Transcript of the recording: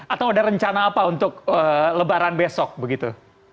atau ada rencana apa untuk lebaran besok begitu